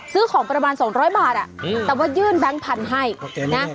ซื้อของประมาณสองร้อยบาทอ่ะแต่ว่ายื่นแบงค์พันธุ์ให้โอเคนะ